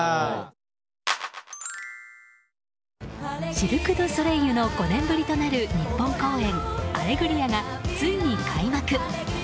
シルク・ドゥ・ソレイユの５年ぶりとなる日本公演「アレグリア」がついに開幕。